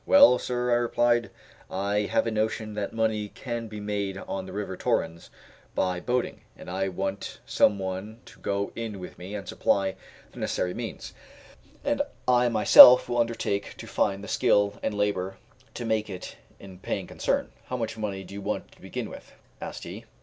"Well, sir," I replied, "I have a notion that money can be made on the River Torrens by boating, and I want some one to go in with me and supply the necessary means, and I myself will undertake to find the skill and labor to make it a paying concern. How much money do you want to begin with?" asked he.